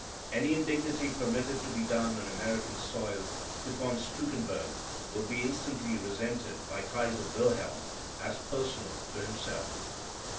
Any indignity permitted to be done on American soil to von Stuckenburg would be instantly resented by Kaiser William as personal to himself.